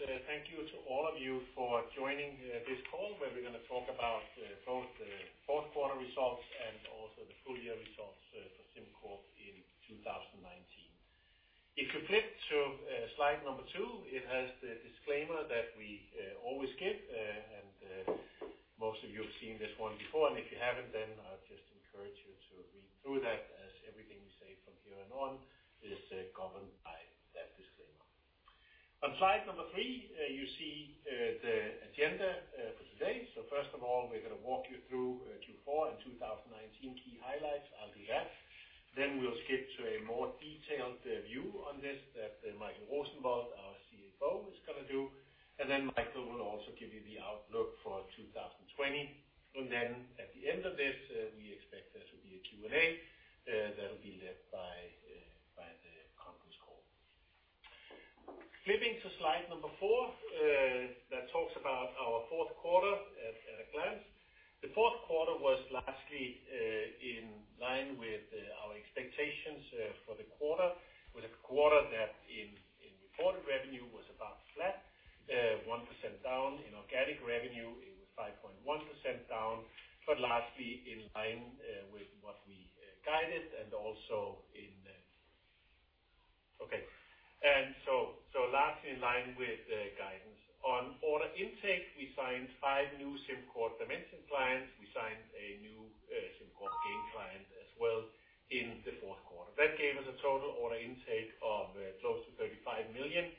Thank you very much, and thank you to all of you for joining this call, where we're going to talk about both the fourth quarter results and also the full year results for SimCorp in 2019. If you flip to slide number two, it has the disclaimer that we always give, and most of you have seen this one before, and if you haven't, then I would just encourage you to read through that, as everything we say from here on is governed by that disclaimer. On slide number three, you see the agenda for today. First of all, we're going to walk you through Q4 and 2019 key highlights. I'll do that. We'll skip to a more detailed view on this that Michael Rosenvold, our Chief Financial Officer, is going to do, and then Michael will also give you the outlook for 2020. Then at the end of this, we expect there to be a Q&A that'll be led by the conference call. Flipping to slide number four, that talks about our fourth quarter at a glance. The fourth quarter was largely in line with our expectations for the quarter, with a quarter that in reported revenue was about flat, 1% down. In organic revenue it was 5.1% down, largely in line with what we guided. So largely in line with the guidance. On order intake, we signed five new SimCorp Dimension clients. We signed a new SimCorp Gain client as well in the fourth quarter. That gave us a total order intake of close to 35 million,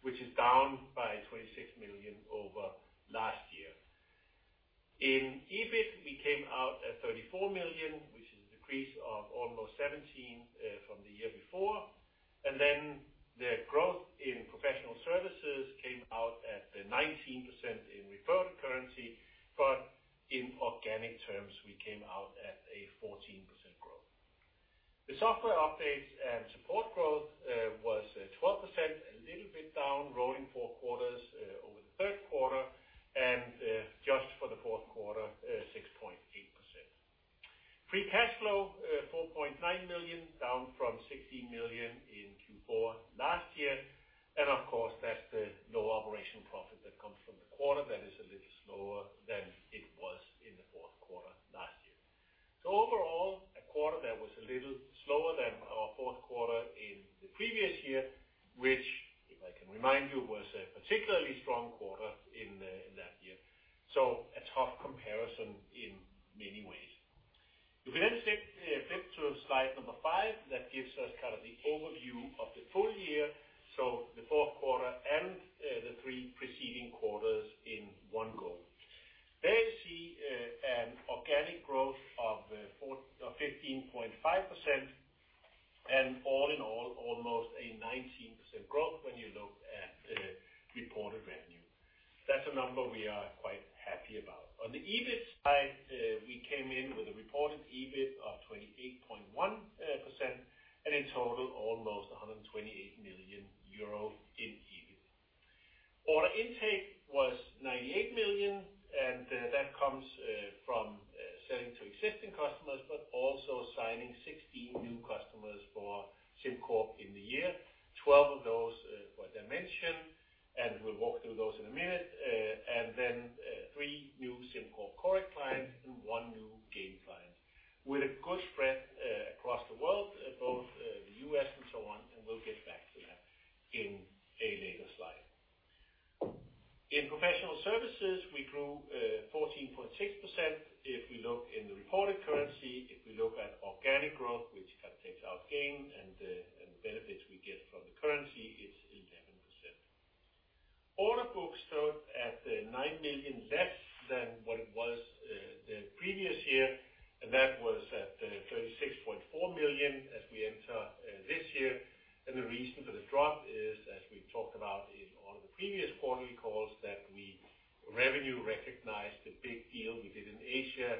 which is down by 26 million over last year. In EBIT, we came out at 34 million, which is a decrease of almost 17% from the year before. The growth in professional services came out at 19% in reported currency. In organic terms, we came out at a 14% growth. The software updates and support growth was 12%, a little bit down quarterly calls, that we revenue recognized the big deal we did in Asia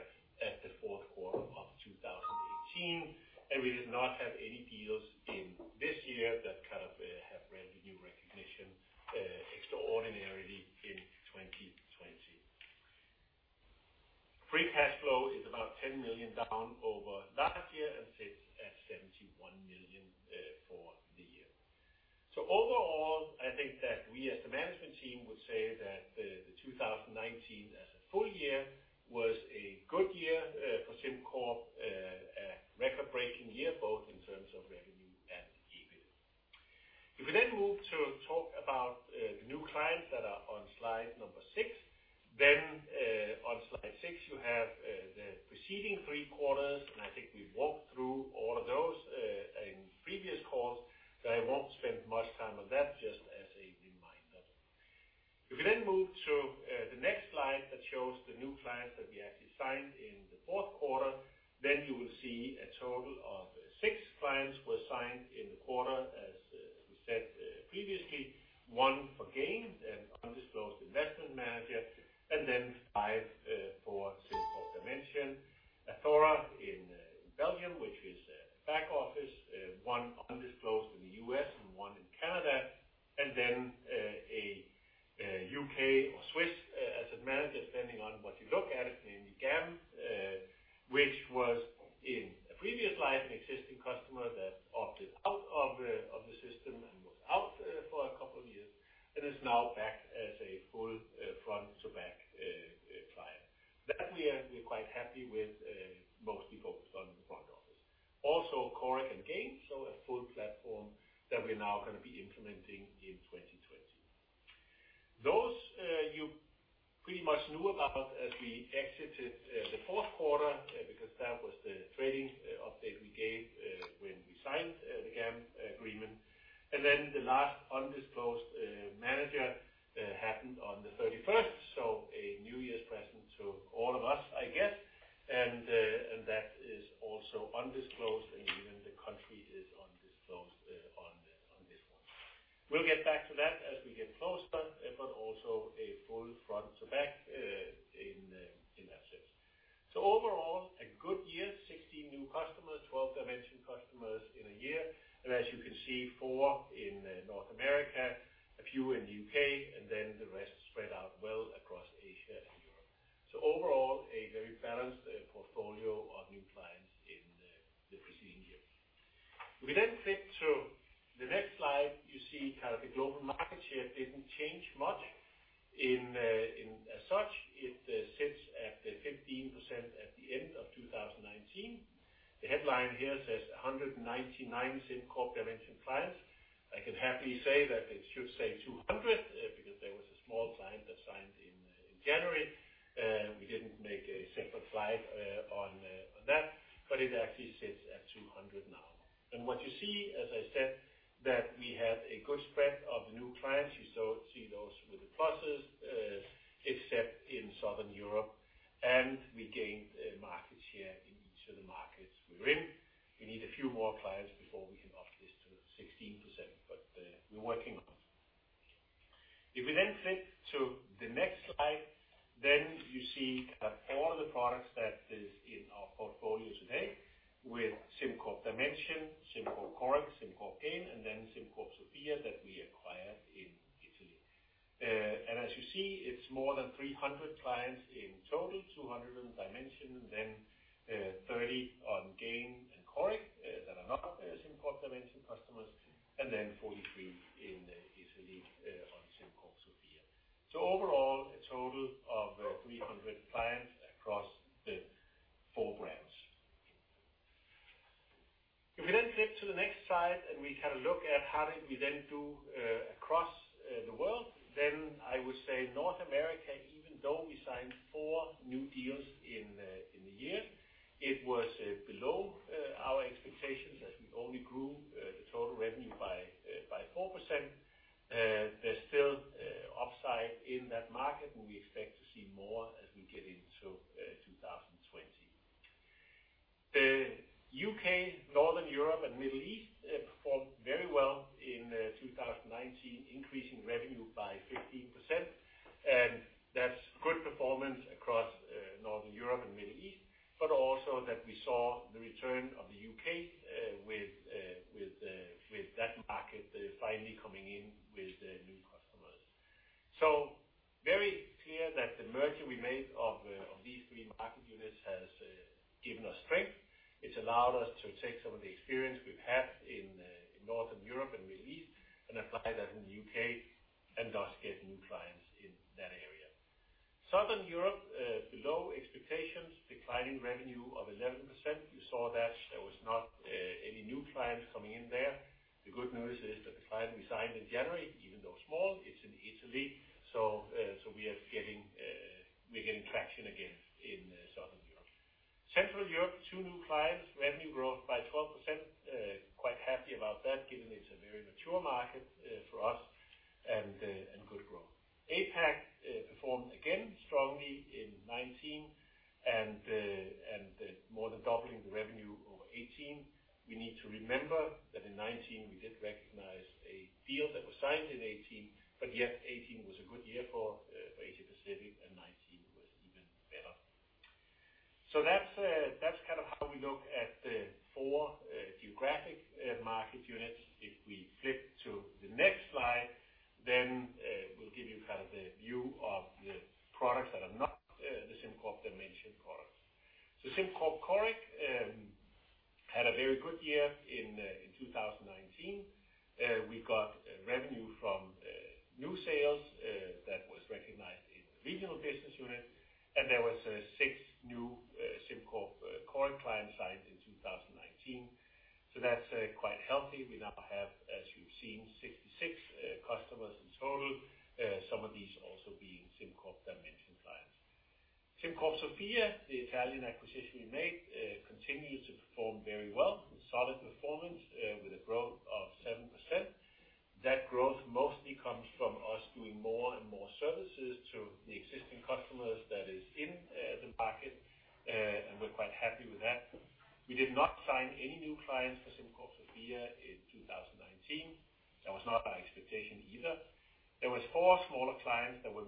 with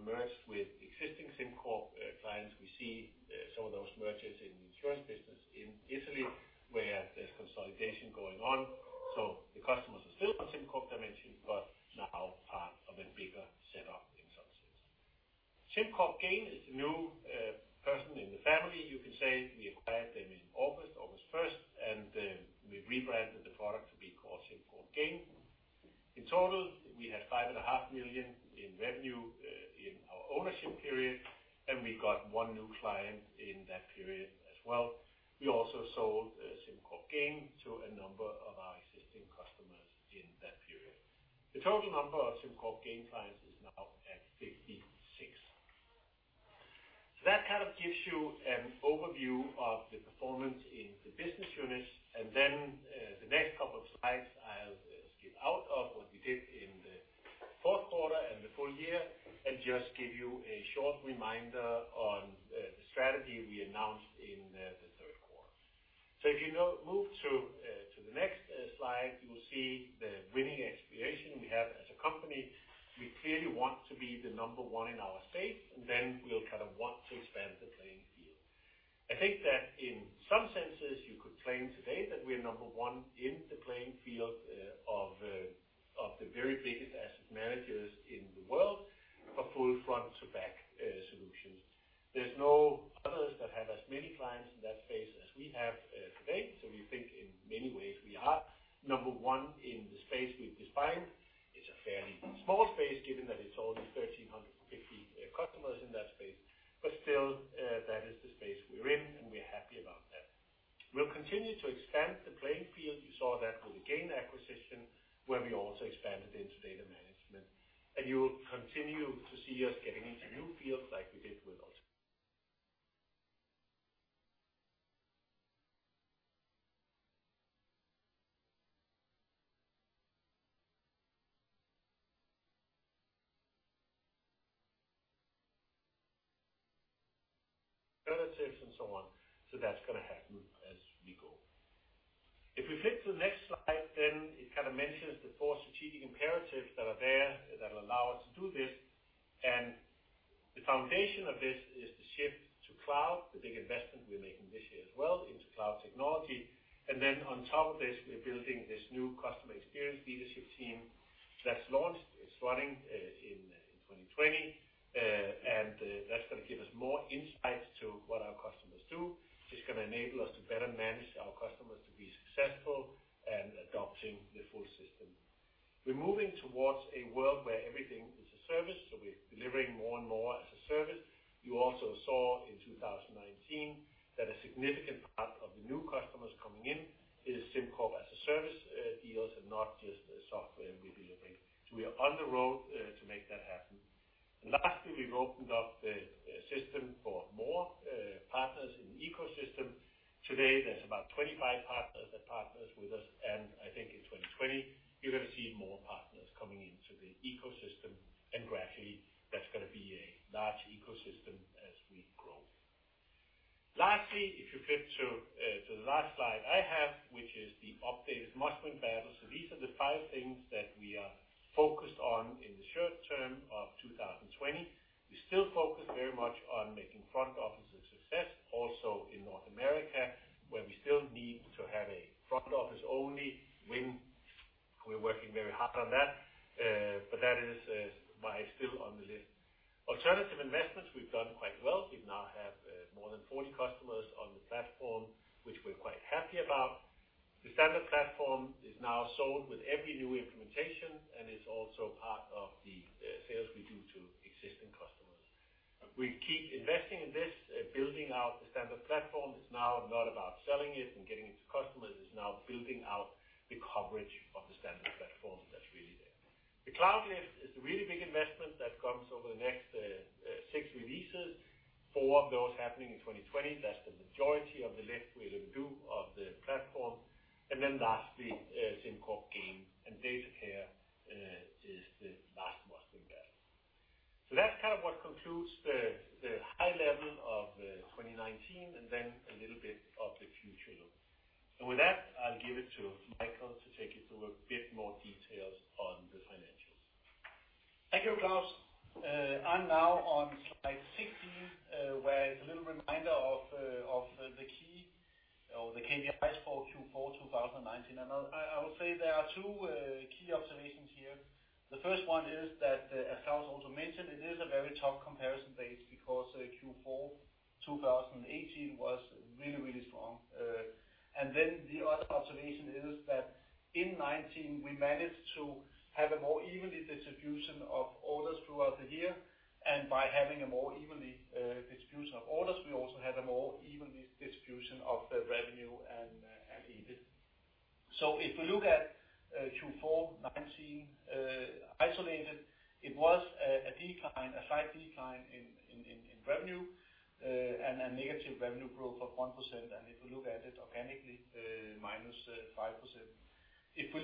a That's going to give us more insights to what our customers do. It's going to enable us to better manage our customers to be successful and adopting the full system. We're moving towards a world where everything is a service, so we're delivering more and more as a service. You also saw in 2019 that a significant part of the new customers coming in is SimCorp as a service deals and not just the software we're delivering. We are on the road to make that happen. Lastly, we've opened up the system for more partners in the ecosystem. Today, there's about 25 partners that partners with us, and I think in 2020, you're going to see more partners coming into the ecosystem. Gradually, that's going to be a large ecosystem as we grow. Lastly, if you flip to the last slide I have, which is the updated must-win battles. These are the five things that we are focused on in the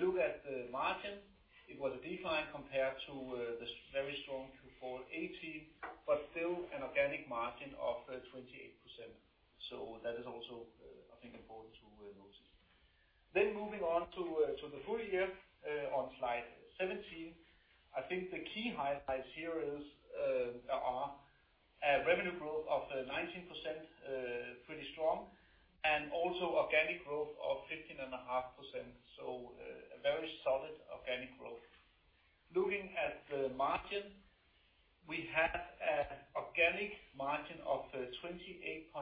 look at the margin, it was a decline compared to the very strong Q4 2018, but still an organic margin of 28%. That is also, I think, important to notice. Moving on to the full year on slide 17. I think the key highlights here are a revenue growth of 19%, pretty strong, and also organic growth of 15.5%. A very solid organic growth. Looking at the margin, we have an organic margin of 28.6%,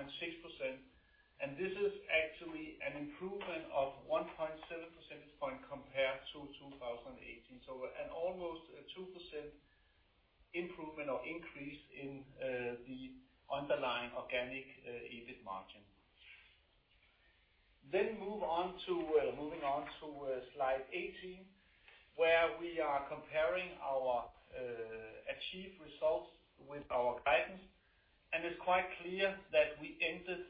and this is actually an improvement of 1.7 percentage point compared to 2018. An almost 2% improvement or increase in the underlying organic EBIT margin. Moving on to slide 18, where we are comparing our achieved results with our guidance, and it's quite clear that we ended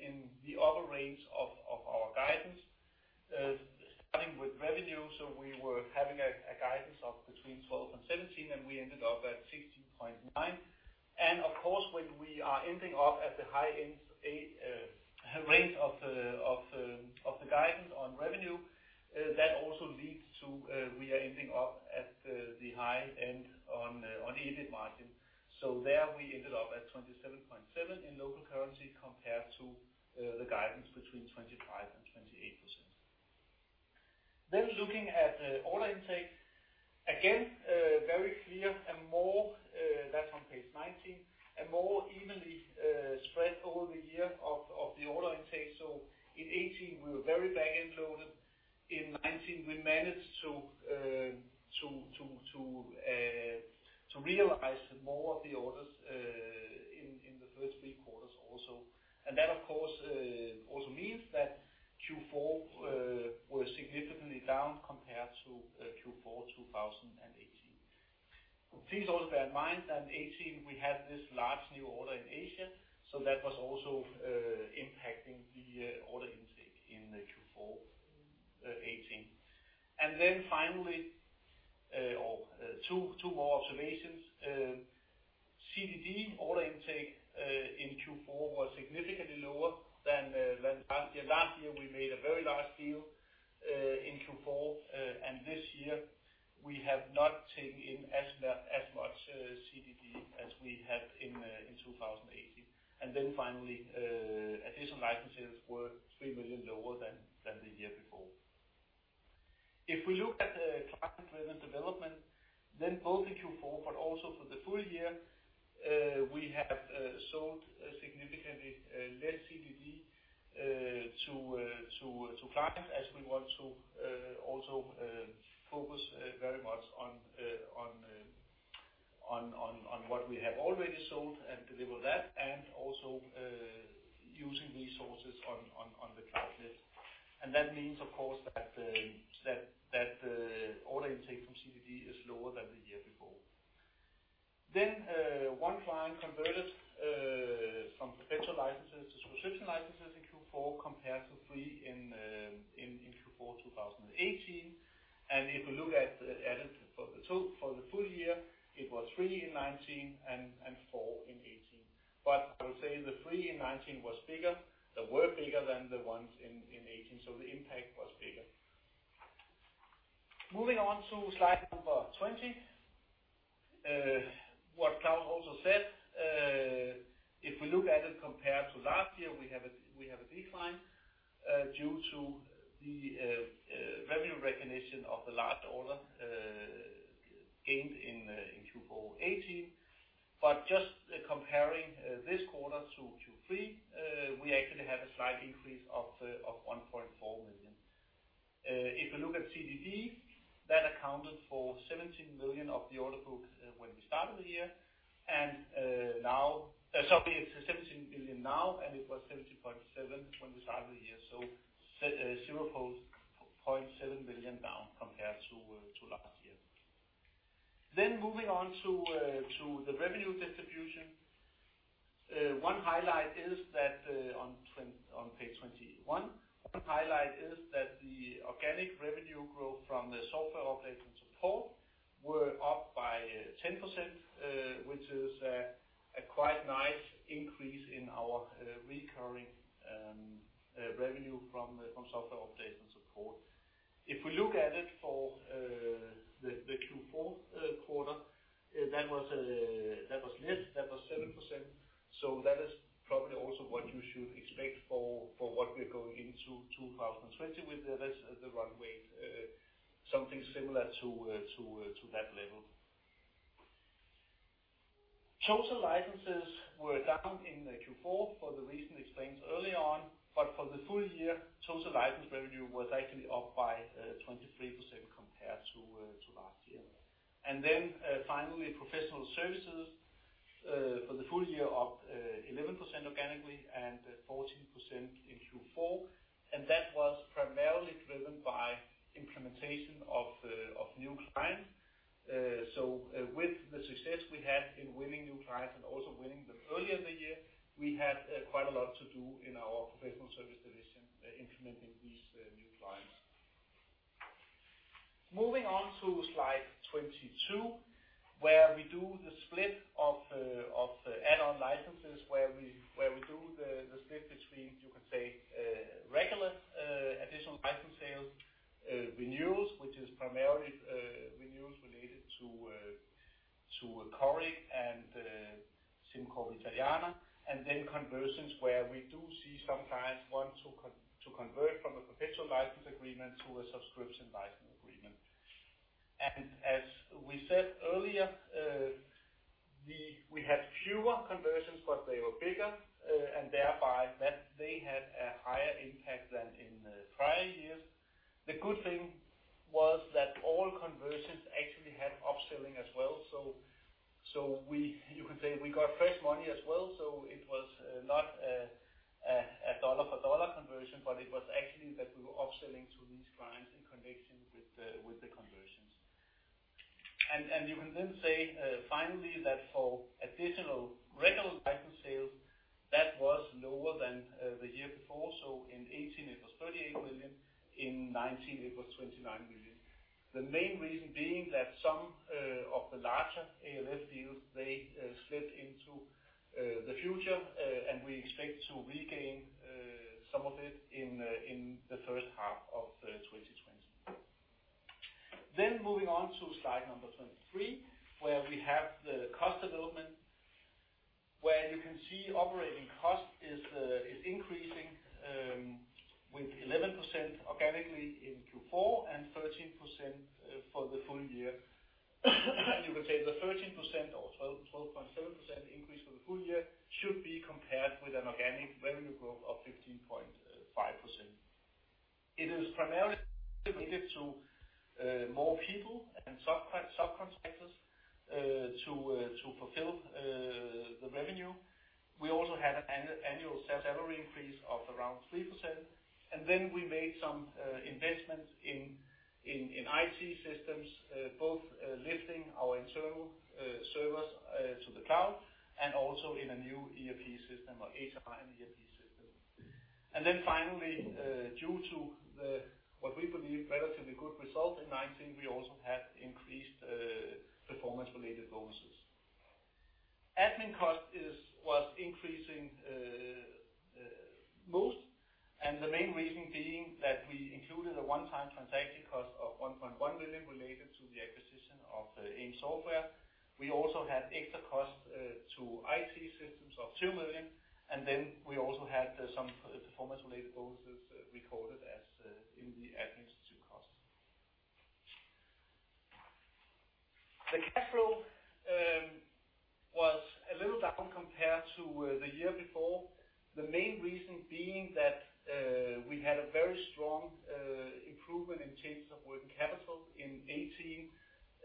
in the upper range of our guidance. Starting with revenue, we were having a guidance of between 12 and 17, and we ended up at 16.9. Of course, when we are ending up at the high end range of the guidance on revenue, that also leads to we are ending up at the high end on the EBIT margin. There we ended up at 27.7 in local currency compared to the guidance between 25% and 28%. Looking at the order intake, again, very clear and more, that's on page 19, a more evenly spread over the year of the order intake. In 2018, we were very back-end loaded. In 2019, we managed to realize more of the orders in the first three quarters also. That, of course, also means that Q4 was significantly down compared to Q4 2018. Please also bear in mind that in 2018, we had this large new order in Asia, so that was also impacting the order intake in Q4 2018. Finally, two more observations. CDD order intake in Q4 was significantly lower than last year. Last year, we made a very large deal in Q4, and this year, we have not taken in as much CDD as we had in 2018. Finally, additional licenses were 3 million lower than the year before. If we look at the client-driven development, both in Q4, also for the full year, we have sold significantly less CDD to clients as we want to also focus very much on what we have already sold and deliver that, and also using resources on the cloud lift. That means, of course, that the order intake from CDD is lower than the year before. One client converted from professional licenses to subscription licenses in Q4 compared to three in Q4 2018. If you look at it for the full year, it was three in 2019 and four in 2018. I would say the three in 2019 were bigger than the ones in 2018, the impact was bigger. Moving on to slide number 20. What Claus also said, if we look at it compared to last year, we have a decline due to the revenue recognition of the large order gained in Q4 2018. Just comparing this quarter to Q3, we actually have a slight increase of 1.4 million. If you look at CDD, that accounted for 17 million of the order book when we started the year, it is 17 million now, and it was 17.7 million when we started the year. 0.7 million down compared to last year. Moving on to the revenue distribution. On page 21, one highlight is that the organic revenue growth from the software update and support were up by 10%, which is a quite nice increase in our recurring revenue from software update and support. If we look at it for the Q4 quarter, that was less, that was 7%. That is probably also what you should expect for what we're going into 2020 with the runway, something similar to that level. Total licenses were down in Q4 for the reason explained early on, for the full year, total license revenue was actually up by 23% compared to last year. Finally, professional services for the full year up 11% organically and 14% in Q4, that was primarily driven by implementation of new clients. With the success we had in winning new clients and also winning them earlier in the year, we had quite a lot to do in our professional service division implementing these new clients. Moving on to slide 22, where we do the split of the add-on licenses, where we do the split between, you can say, regular additional licenses, renewals, which is primarily renewals related to Coric and SimCorp Italiana, finally, that for additional regular license sales, that was lower than the year before. In 2018, it was 38 million, in 2019, it was 29 million. The main reason being that some of the larger ALF deals, they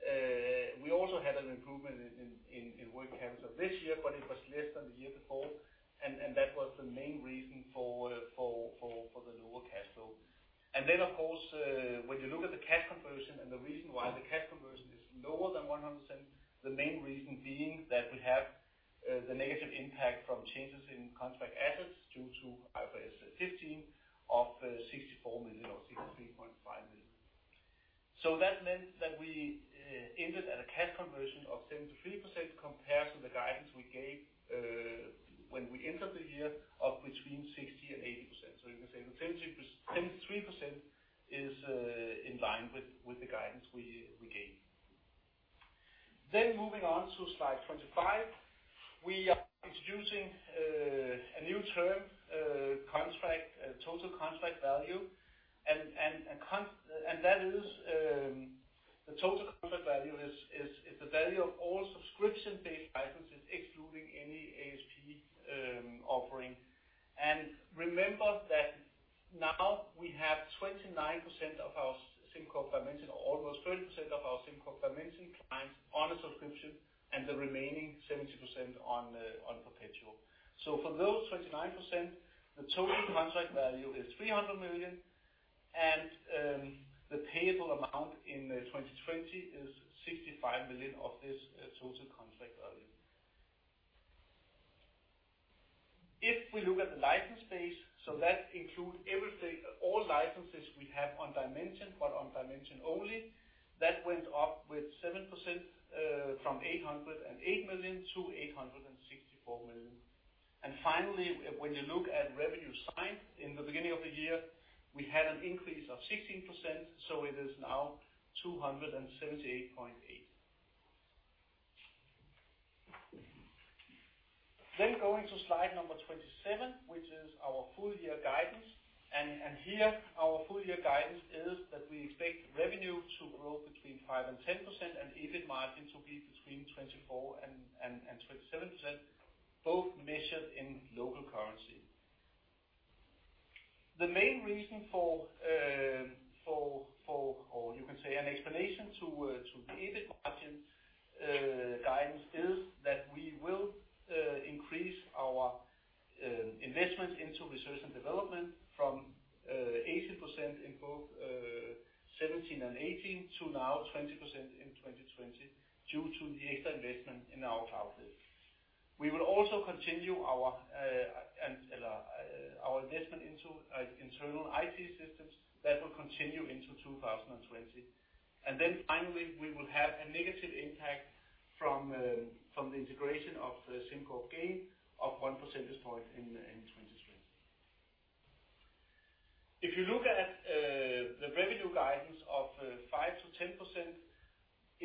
2018. We also had an improvement in working capital this year. It was less than the year before. That was the main reason for the lower cash flow. Of course, when you look at the cash conversion and the reason why the cash conversion is lower than 100%, the main reason being that we have the negative impact from changes in contract assets due to IFRS 15 of 64 million or 63.5 million. That meant that we ended at a cash conversion of 73% compared to the guidance we gave when we entered the year of between 60% and 80%. You can say the 73% is in line with the guidance we gave. Moving on to slide 25. We are introducing a new term, total contract value. The total contract value is the value of all subscription-based licenses, excluding any ASP offering. Remember that now we have 29% of our SimCorp Dimension, almost 30% of our SimCorp Dimension clients on a subscription, and the remaining 70% on perpetual. For those 29%, the total contract value is 300 million, and the payable amount in 2020 is 65 million of this total contract value. If we look at the license base, so that includes everything, all licenses we have on Dimension, but on Dimension only, that went up with 7%, from 808 million-864 million. Finally, when you look at revenue signed, in the beginning of the year, we had an increase of 16%, so it is now 278.8 million. Going to slide number 27, which is our full year guidance. Here, our full year guidance is that we expect revenue to grow between 5%-10%, and EBIT margin to be between 24%-27%, both measured in local currency. The main reason for, or you can say an explanation to the EBIT margin guidance is that we will increase our investment into research and development from 18% in both 2017 and 2018 to now 20% in 2020 due to the extra investment in our cloud lift. We will also continue our investment into internal IT systems that will continue into 2020. Finally, we will have a negative impact from the integration of the SimCorp Gain of one percentage point in 2020. If you look at the revenue guidance of 5%-10%,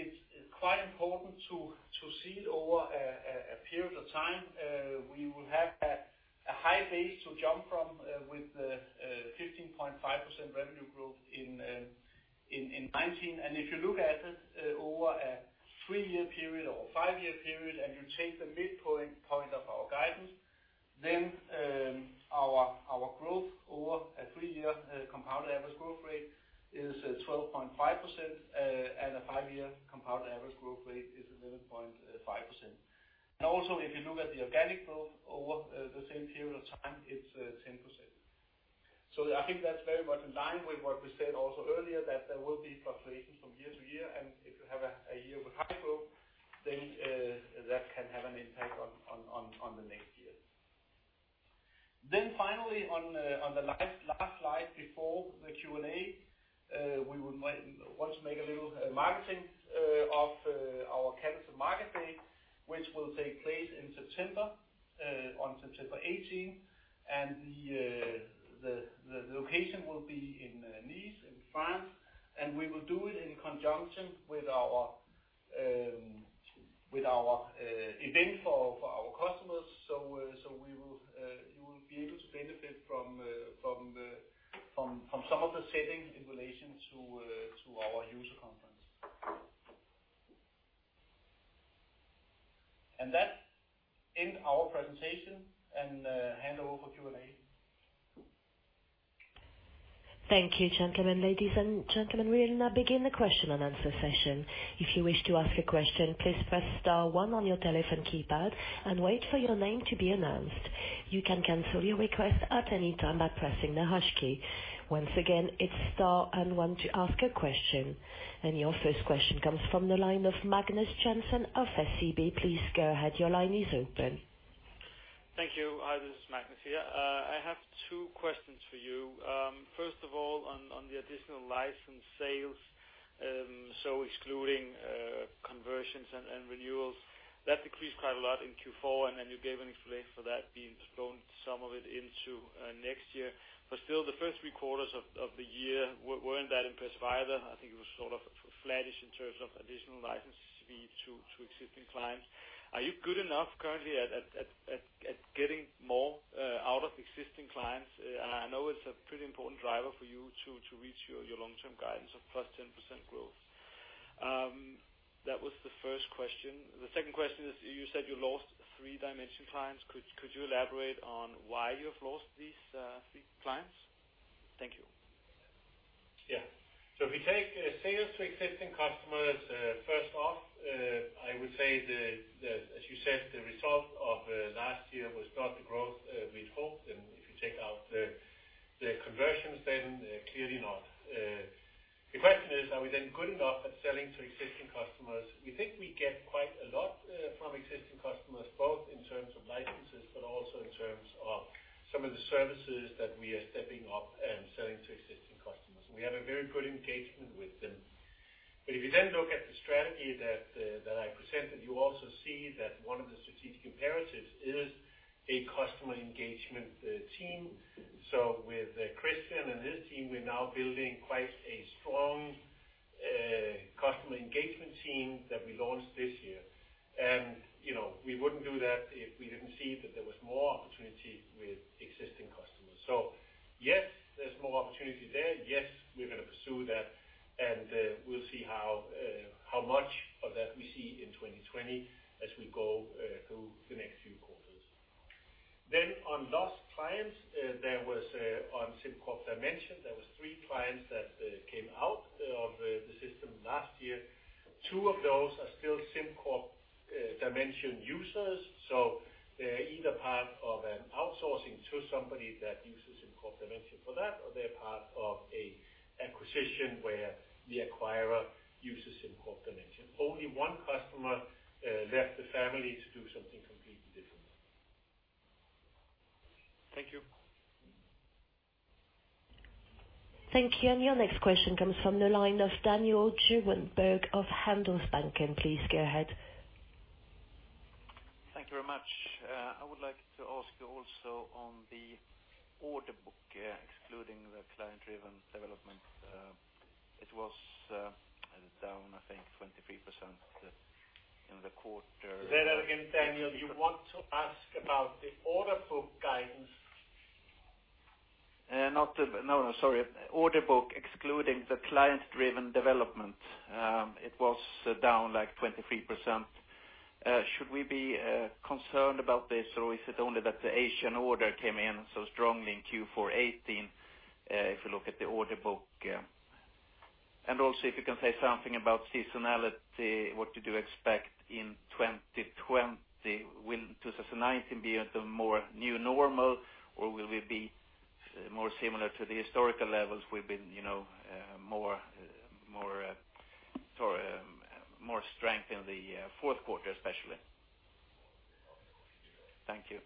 it's quite important to see it over a period of time. We will have a high base to jump from with the 15.5% revenue growth in 2019. If you look at it over a three-year period or a five-year period, and you take the midpoint of our guidance, then our growth over a three-year compounded average growth rate is 12.5%, and a five-year compounded average growth rate is 11.5%. Also, if you look at the organic growth over the same period of time, it's 10%. I think that's very much in line with what we said also earlier, that there will be fluctuations from year to year, and if you have a year with high growth, then that can have an impact on the next year. Finally, on the last slide before the Q&A, we would want to make a little marketing of our Capital Market Day, which will take place in September, on September 18th. The location will be in Nice, in France, and we will do it in conjunction with our event for our customers. You will be able to benefit from some of the settings in relation to our user conference. That end our presentation, and hand over for Q&A. Thank you, gentlemen. Ladies and gentlemen, we will now begin the question-and-answer session. If you wish to ask a question, please press star one on your telephone keypad and wait for your name to be announced. You can cancel your request at any time by pressing the hush key. Once again, it's star and one to ask a question. Your first question comes from the line of Magnus Jensen of SEB. Please go ahead. Your line is open. Thank you. Hi, this is Magnus here. I have two questions for you. On the additional license sales, excluding conversions and renewals, that decreased quite a lot in Q4, you gave an explanation for that being postponed some of it into next year. Still, the first three quarters of the year weren't that impressive either. I think it was sort of flattish in terms of additional license fee to existing clients. Are you good enough currently at getting more out of existing clients? I know it's a pretty important driver for you to reach your long-term guidance of plus 10% growth. That was the first question. The second question is, you said you lost three Dimension clients. Could you elaborate on why you have lost these clients? Thank you. If we take sales to existing customers, first off, I would say that, as you said, the result of last year was not the growth we'd hoped, and if you take out the conversions then, clearly not. The question is: Are we then good enough at selling to existing customers? We think we get quite a lot from existing customers, both in terms of licenses, but also in terms of some of the services that we are stepping up and selling to existing customers. We have a very good engagement with them. If you then look at the strategy that Order book, excluding the client-driven development. It was down, like, 23%. Should we be concerned about this, or is it only that the Asian order came in so strongly in Q4 2018 if you look at the order book? Also, if you can say something about seasonality, what do you expect in 2020? Will 2019 be the more new normal, or will we be more similar to the historical levels we've been More strength in the fourth quarter especially. Thank you.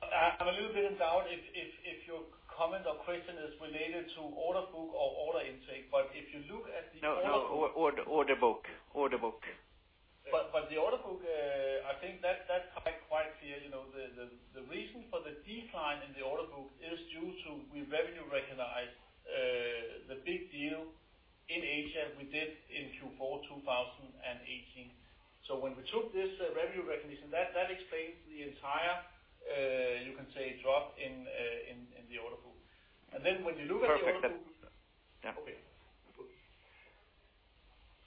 I'm a little bit in doubt if your comment or question is related to order book or order intake, but if you look at the order book- No, order book. The order book, I think that's quite clear. The reason for the decline in the order book is due to we revenue recognize the big deal in Asia we did in Q4 2018. When we took this revenue recognition, that explains the entire, you can say, drop in the order book. When you look at the order book- Perfect. Yeah. Okay.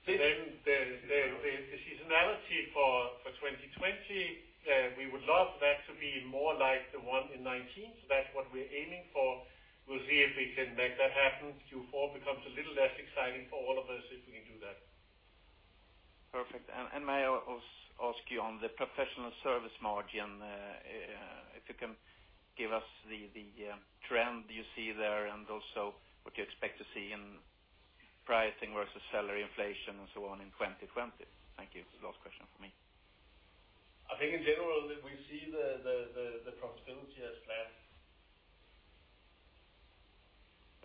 The seasonality for 2020, we would love that to be more like the one in 2019. That's what we're aiming for. We'll see if we can make that happen. Q4 becomes a little less exciting for all of us if we can do that. Perfect. May I also ask you on the professional service margin, if you can give us the trend you see there, and also what you expect to see in pricing versus salary inflation and so on in 2020? Thank you. Last question from me. I think in general, we see the profitability has flat.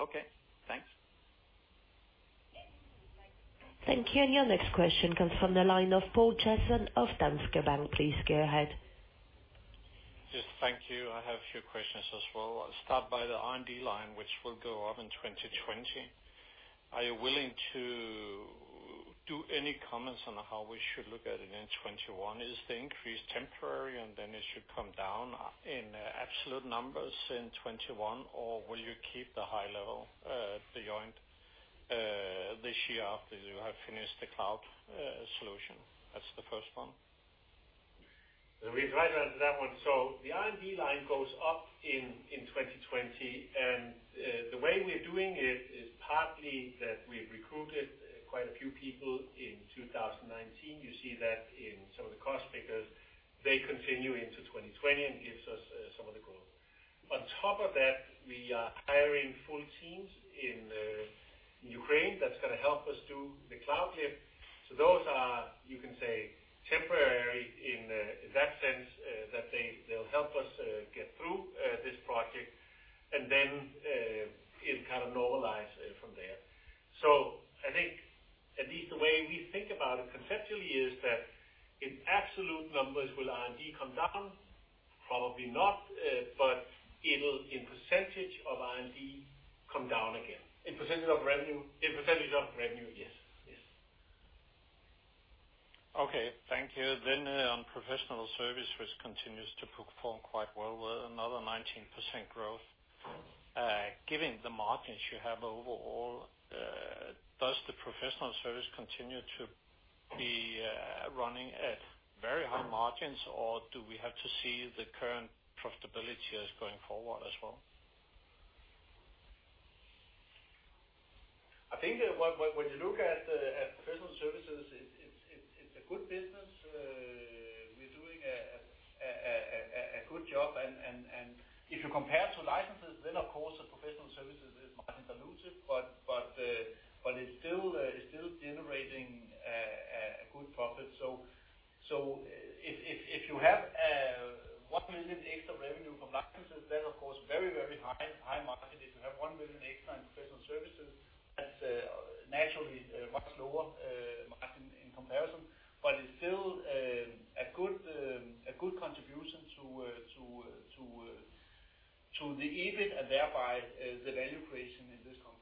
Okay, thanks. Thank you. Your next question comes from the line of Poul Jessen of Danske Bank. Please go ahead. Yes, thank you. I have a few questions as well. I'll start by the R&D line, which will go up in 2020. Are you willing to do any comments on how we should look at it in 2021? Is the increase temporary, and then it should come down in absolute numbers in 2021? Will you keep the high level, the R&D, this year after you have finished the cloud solution? That's the first one. Let me try to answer that one. The R&D line goes up in 2020. The way we're doing it is partly that we recruited quite a few people in 2019. You see that in some of the cost figures. They continue into 2020 and gives us some of the growth. On top of that, we are hiring full teams in Ukraine that's going to help us do the cloud lift. Those are, you can say, temporary in that sense, that they'll help us get through this project and then it kind of normalize from there. I think at least the way we think about it conceptually is that in absolute numbers, will R&D come down? Probably not. It'll, in percentage of R&D, come down again. In percentage of revenue, yes. Okay, thank you. On professional service, which continues to perform quite well with another 19% growth. Given the margins you have overall, does the professional service continue to be running at very high margins, or do we have to see the current profitability is going forward as well? I think when you look at the professional services, it's a good business. We're doing a good job. If you compare to licenses, then of course the professional services is much dilutive, but it's still generating a good profit. If you have 1 million extra revenue from licenses, that's of course, very, very high margin. If you have 1 million extra in professional services, that's naturally much lower margin in comparison, but it's still a good contribution to the EBIT and thereby the value creation in this company.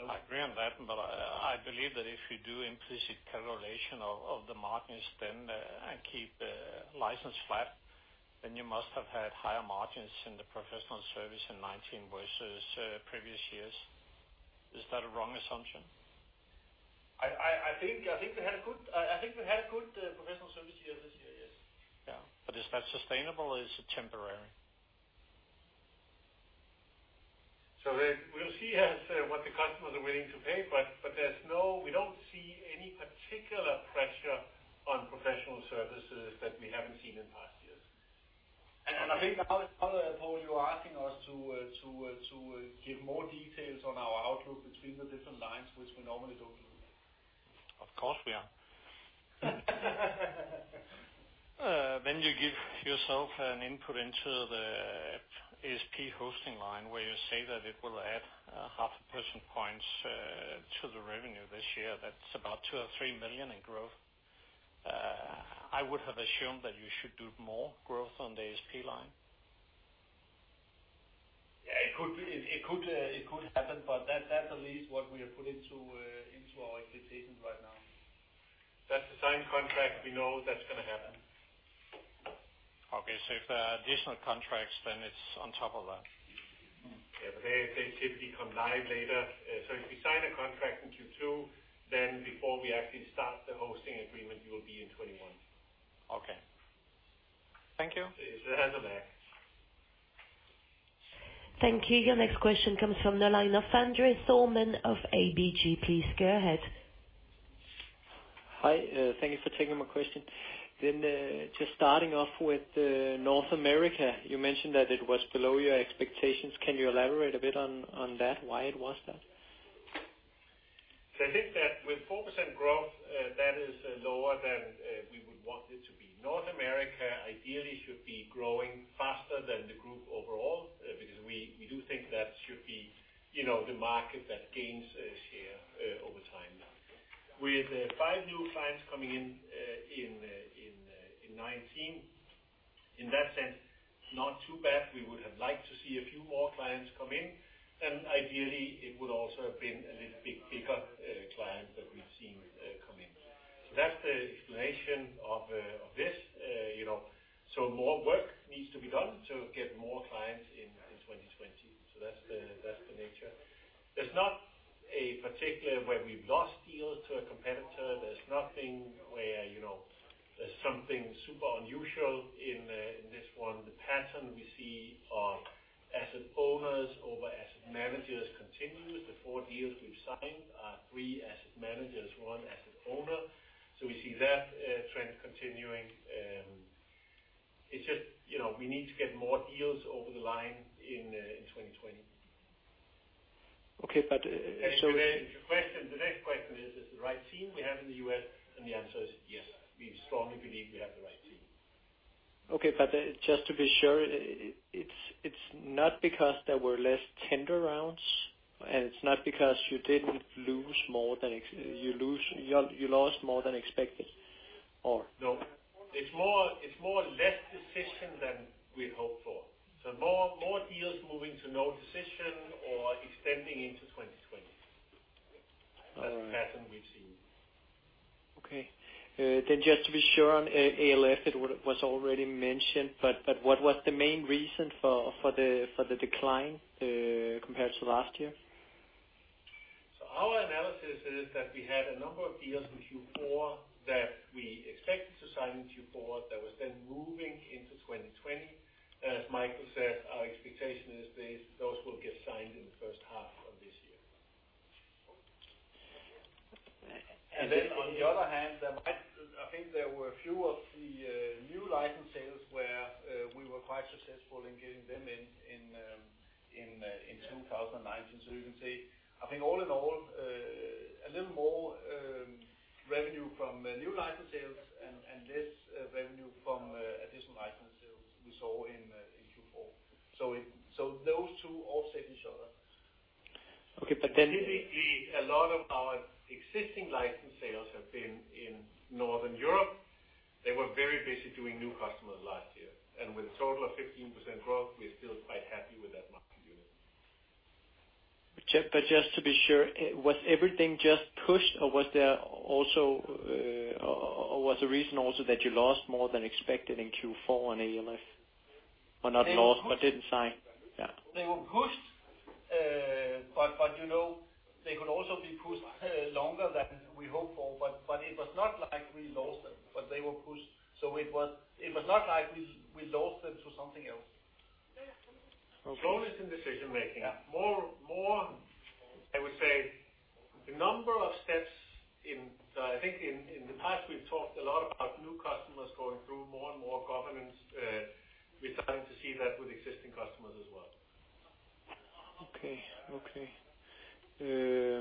I agree on that. I believe that if you do implicit correlation of the margins then, and keep license flat, then you must have had higher margins in the professional service in 2019 versus previous years. Is that a wrong assumption? I think we had a good professional service year this year, yes. Yeah, is that sustainable or is it temporary? We'll see as what the customers are willing to pay, but we don't see any particular pressure on professional services that we haven't seen in past years. I think now, Poul, you're asking us to give more details on our outlook between the different lines, which we normally don't do. Of course we are. You give yourself an input into the ASP hosting line where you say that it will add 0.5 percent points to the revenue this year. That's about 2 million or 3 million in growth. I would have assumed that you should do more growth on the ASP line. Yeah, it could happen, but that's at least what we have put into our expectations right now. That's the signed contract we know that's going to happen. Okay, if there are additional contracts, then it's on top of that. They typically come live later. If we sign a contract in Q2, then before we actually start the hosting agreement, we will be in 2021. Okay. Thank you. Yes. Have a day. Thank you. Your next question comes from the line of André Thormann of ABG Sundal Collier. Please go ahead. Hi. Thank you for taking my question. Just starting off with North America, you mentioned that it was below your expectations. Can you elaborate a bit on that? Why it was that? I think that with 4% growth, that is lower than we would want it to be. North America ideally should be growing faster than the group overall, because we do think that should be the market that gains a share over time now. With five new clients coming in in 2019, in that sense, not too bad. We would have liked to see a few more clients come in, and ideally, it would also have been a little bit bigger, clients that we've seen come in. That's the explanation of this. More work needs to be done to get more clients in 2020. That's the nature. There's not a particular where we've lost deals to a competitor. There's nothing where there's something super unusual in this one. The pattern we see of asset owners over asset managers continues. The four deals we've signed are three asset managers, one asset owner. We see that trend continuing. It's just, we need to get more deals over the line in 2020. Okay. The next question is it the right team we have in the U.S.? The answer is yes. We strongly believe we have the right team. Okay, but just to be sure, it's not because there were less tender rounds, and it's not because you lost more than expected or? No. It's more less decision than we hoped for. More deals moving to no decision or extending into 2020. That's the pattern we've seen. Just to be sure on ALF, it was already mentioned, but what was the main reason for the decline compared to last year? Our analysis is that we had a number of deals in Q4 that we expected to sign in Q4, that was then moving into 2020. As Michael said, our expectation is those will get signed in the first half of this year. On the other hand, I think there were a few of the new license sales where we were quite successful in getting them in 2019. You can say, I think all in all, a little more revenue from new license sales and less revenue from additional license sales we saw in Q4. Those two offset each other. Okay. Typically, a lot of our existing license sales have been in Northern Europe. They were very busy doing new customers last year. With a total of 15% growth, we're still quite happy with that market unit. Just to be sure, was everything just pushed or was the reason also that you lost more than expected in Q4 on ALF? Not lost, but didn't sign. Yeah. They were pushed, but they could also be pushed longer than we hoped for, but it was not like we lost them, but they were pushed. It was not like we lost them to something else. Okay. Slowest in decision-making. Yeah. More, I would say the number of steps I think in the past we've talked a lot about new customers going through more and more governance. We're starting to see that with existing customers as well. Okay.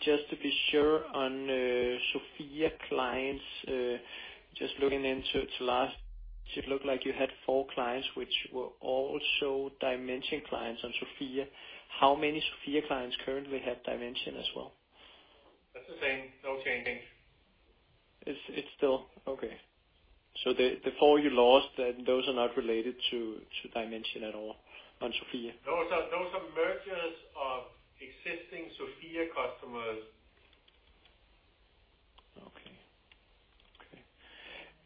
Just to be sure on Sofia clients, just looking into it last, it looked like you had four clients which were also Dimension clients on Sofia. How many Sofia clients currently have Dimension as well? That's the same. No change there. Okay. The four you lost, those are not related to Dimension at all on SimCorp Sofia. Those are mergers of existing Sofia customers.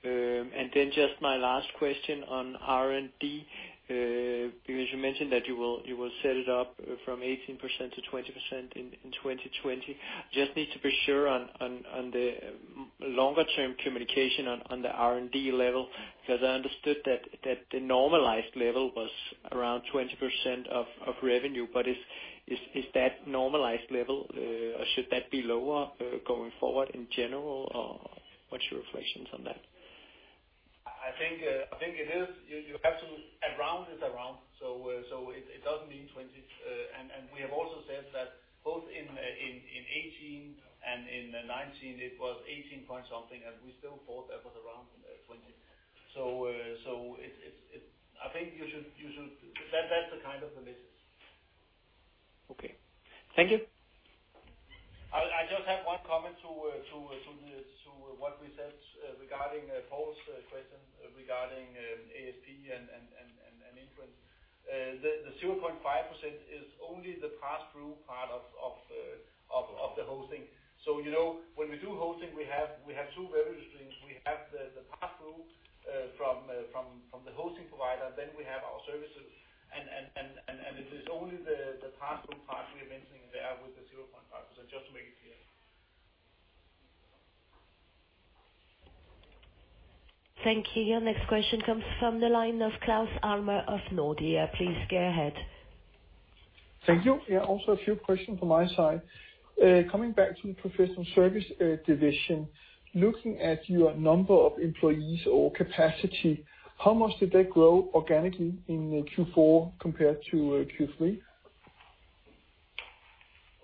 Okay. Just my last question on R&D, because you mentioned that you will set it up from 18%-20% in 2020. Just need to be sure on the longer-term communication on the R&D level, because I understood that the normalized level was around 20% of revenue, but is that normalized level, or should that be lower going forward in general, or what's your reflections on that? I think it is. Around is around, so it doesn't mean 20%. We have also said that both in 2018 and in 2019, it was 18% point something, and we still thought that was around 20. I think that's the kind of the message. Okay. Thank you. I just have one comment to what we said regarding Poul's question regarding ASP and IFRS 15. The 0.5% is only the pass-through part of the hosting. When we do hosting, we have two revenue streams. We have the pass-through from the hosting provider, then we have our services, and it is only the pass-through part we are mentioning there with the 0.5%, just to make it clear. Thank you. Next question comes from the line of Claus Almer of Nordea. Please go ahead. Thank you. Yeah, also a few questions from my side. Coming back to the professional service division, looking at your number of employees or capacity, how much did they grow organically in Q4 compared to Q3?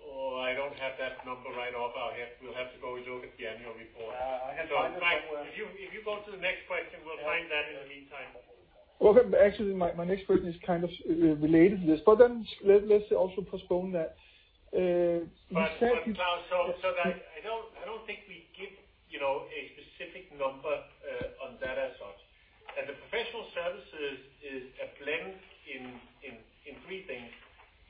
Oh, I don't have that number right off our head. We'll have to go look at the annual report. I can find it somewhere. Michael, if you go to the next question, we'll find that in the meantime. Okay. Actually, my next question is kind of related to this, let's also postpone that. Claus, I don't think we give a specific number on that as such. The professional services is a blend in three things.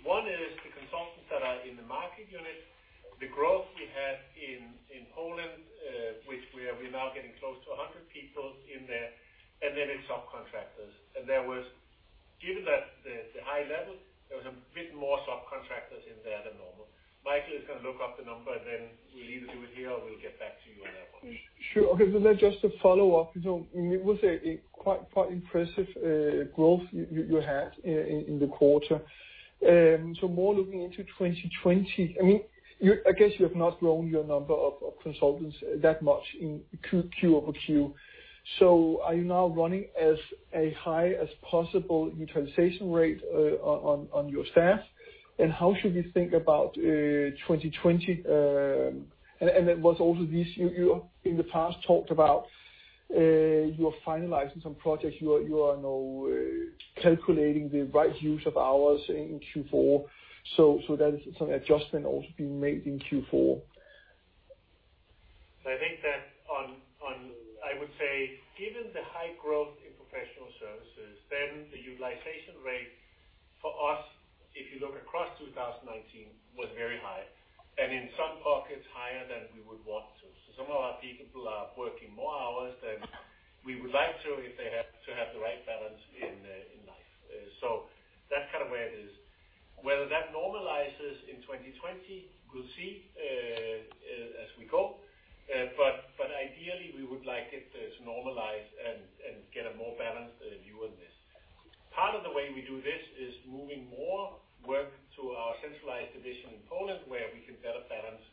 One is the consultants that are in the market unit, the growth we had in Poland, which we are now getting close to 100 people in there, and then it's subcontractors. Given the high level, there was a bit more subcontractors in there than normal. Michael is going to look up the number, and then we'll either do it here or we'll get back to you on that one. Sure. Okay. Just to follow up, it was a quite impressive growth you had in the quarter. More looking into 2020, I guess you have not grown your number of consultants that much in quarter-over-quarter. Are you now running as high as possible utilization rate on your staff? How should we think about 2020? You in the past talked about you are finalizing some projects. You are now calculating the right use of hours in Q4. That is some adjustment also being made in Q4. I think that I would say given the high growth in professional services, then the utilization rate for us, if you look across 2019, was very high. In some pockets higher than we would want to. Some of our people are working more hours than we would like to if they have to have the right balance in life. That's kind of where it is. Whether that normalizes in 2020, we'll see as we go. Ideally, we would like it to normalize and get a more balanced view on this. Part of the way we do this is moving more work to our centralized division in Poland, where we can better balance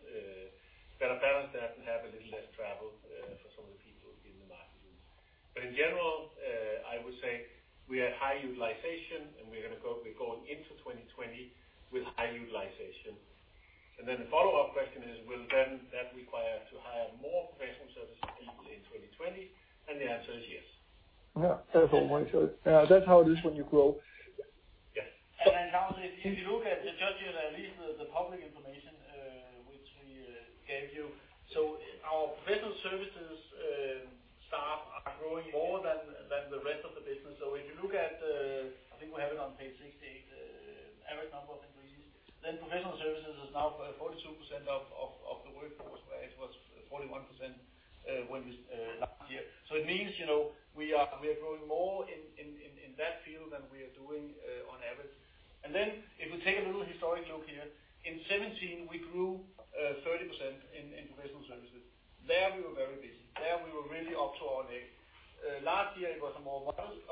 that and have a little less travel for some of the people in the market units. In general, I would say we had high utilization, and we're going into 2020 with high utilization. Then the follow-up question is, will then that require to hire more professional services people in 2020? The answer is yes. Yeah. Fair for me. That's how it is when you grow. Yes. Then Claus, if you look at the, just at least the public information, which we gave you. Our professional services staff are growing more than the rest of the business. If you look at, I think we have it on page 68, average number of employees, then professional services is now 42% of the workforce, where it was 41% last year. It means, we are growing more in that field than we are doing on average. Then if we take a little historic look here, in 2017, we grew 30% in professional services. There we were very busy. There we were really up to our neck. In 2018, it was a more modest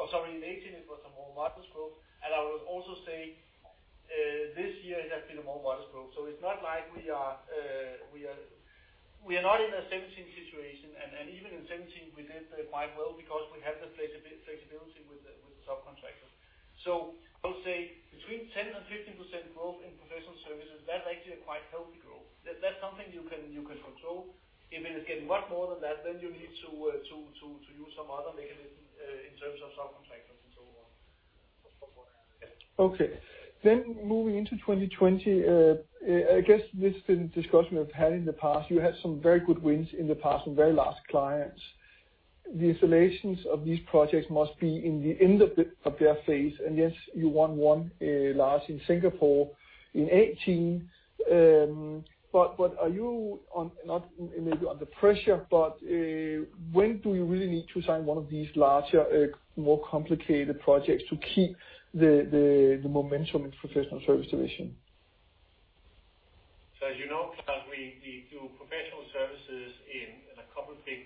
growth. I would also say, this year it has been a more modest growth. It's not like we are not in a 2017 situation, and even in 2017, we did quite well because we had the flexibility with the subcontractors. I would say between 10% and 15% growth in professional services, that's actually a quite healthy growth. That's something you can control. If it is getting much more than that, then you need to use some other mechanism in terms of subcontractors and so on. Yeah. Okay. Moving into 2020, I guess this is the discussion we've had in the past. You had some very good wins in the past, some very large clients. The installations of these projects must be in the end of their phase, and yes, you won one large in Singapore in 2018. Are you, not maybe under pressure, but when do you really need to sign one of these larger, more complicated projects to keep the momentum in professional service division? As you know, Claus, we do professional services in a couple of big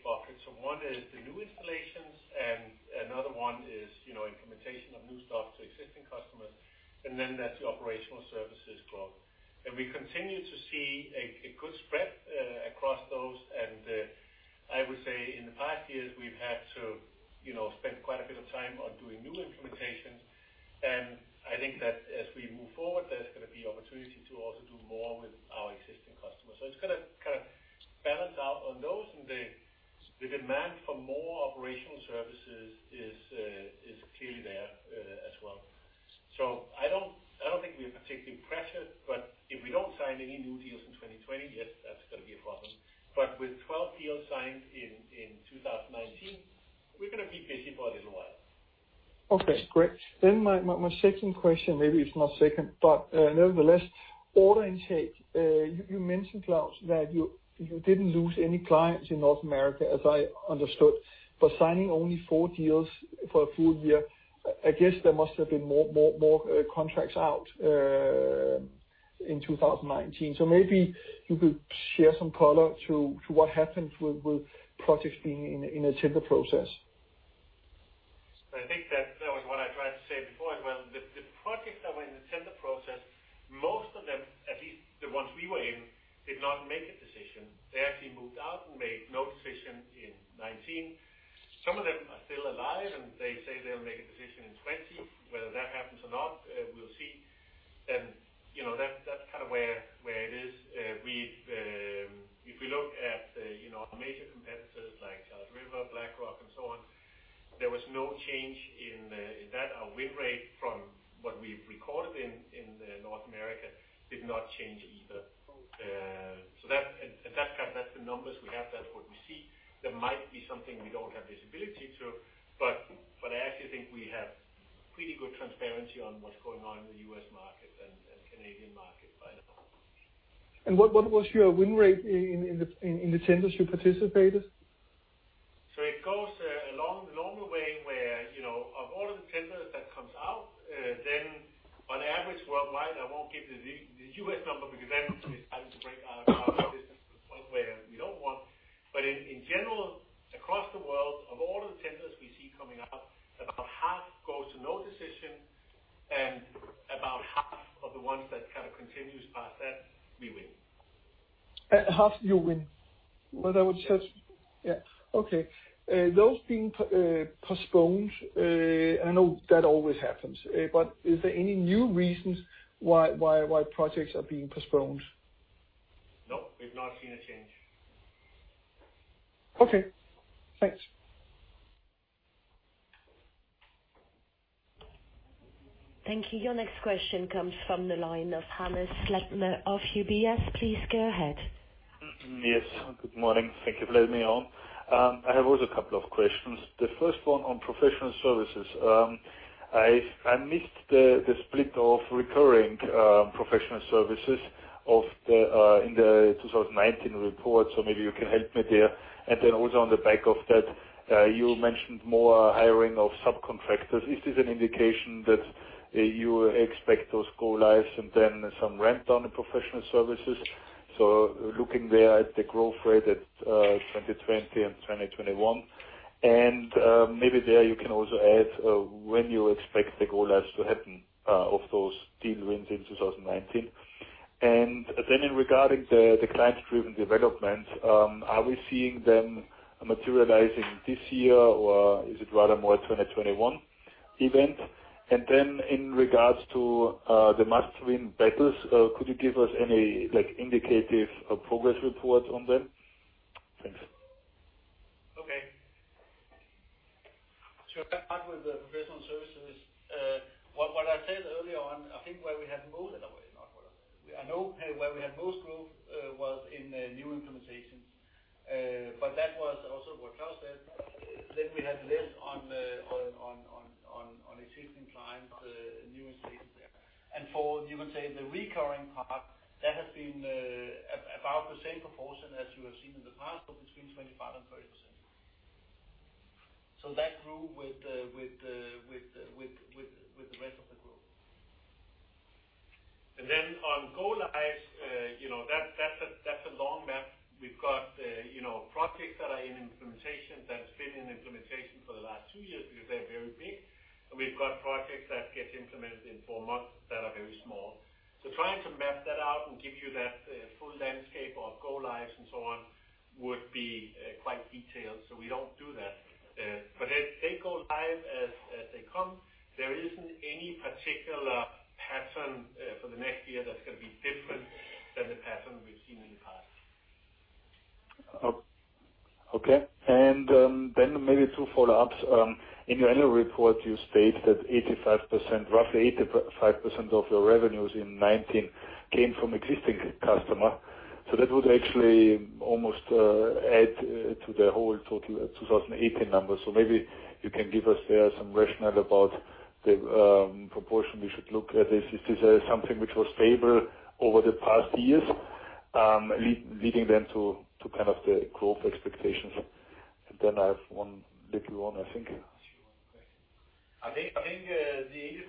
buckets. One is the new installations, and another one is implementation of new stuff to existing customers, and then there's the operational services growth. We continue to see a good spread across those, and I would say in the past years, we've had to spend quite a bit of time on doing new implementations. I think that as we move forward, there's going to be opportunity to also do more with our existing customers. It's going to kind of balance out on those, and the demand for more operational services is clearly there as well. I don't think we are particularly pressured, but if we don't sign any new deals in 2020, yes, that's going to be a problem. With 12 deals signed in 2019, we're going to be busy for a little while. Okay, great. My second question, maybe it's not second, nevertheless, order intake. You mentioned, Claus, that you didn't lose any clients in North America, as I understood. Signing only four deals for a full year, I guess there must have been more contracts out in 2019. Maybe you could share some color to what happened with projects being in a tender process. I goes along the normal way where, of all of the tenders that come out, then on average worldwide, I won't give the U.S. number because then we're starting to break our business to the point where we don't want. In general, across the world, of all the tenders we see coming out, about half go to no decision, and about half of the ones that kind of continue past that, we win. Half you win. Yeah. Okay. Those being postponed, I know that always happens. Is there any new reasons why projects are being postponed? No, we've not seen a change. Okay. Thanks. Thank you. Your next question comes from the line of Hannes Leitner of UBS. Please go ahead. Yes. Good morning. Thank you for letting me on. I have also a couple of questions. The first one on professional services. I missed the split of recurring professional services in the 2019 report, so maybe you can help me there. Also on the back of that, you mentioned more hiring of subcontractors. Is this an indication that you expect those go lives and then some ramp down the professional services? Looking there at the growth rate at 2020 and 2021, and maybe there you can also add when you expect the go lives to happen of those deal wins in 2019. In regarding the client-driven development, are we seeing them materializing this year, or is it rather more a 2021 event? In regards to the must-win battles, could you give us any indicative progress reports on them? Thanks. Okay. To start with the professional services, what I said earlier on, I think where we had most, in a way, not where. I know where we had most growth was in new implementations. That was also what Claus said. We had less on existing clients, new implementations there. For, you can say the recurring part, that has been about the same proportion as you have seen in the past, so between 25% and 30%. That grew with the rest of the group. On go lives, that's a long map. We've got projects that are in implementation that's been in implementation for the last two years because they're very big, and we've got projects that get implemented in four months that are very small. Trying to map that out and give you that full landscape of go lives and so on would be quite detailed, so we don't do that. They go live as they come. There isn't any particular pattern for the next year that's going to be different than the pattern we've seen in the past. Okay. Then maybe two follow-ups. In your annual report, you state that roughly 85% of your revenues in 2019 came from existing customer. That would actually almost add to the whole total 2018 number. Maybe you can give us there some rationale about the proportion we should look at. Is this something which was stable over the past years leading then to kind of the growth expectations? Then I have one little one, I think. I think the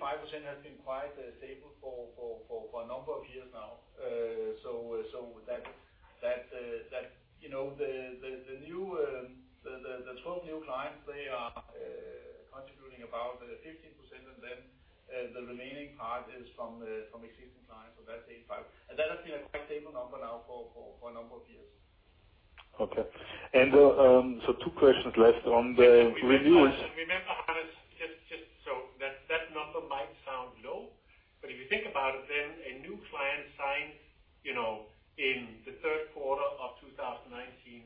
85% has been quite stable for a number of years now. That the 12 new clients, they are contributing about 15%, then the remaining part is from existing clients, so that's 85. That has been a quite stable number now for a number of years. Okay. Two questions left on the reviews. Remember, Hannes, that number might sound low, but if you think about it, then a new client signs in the third quarter of 2019.